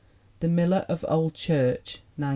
The Miller of Old Church, 1911.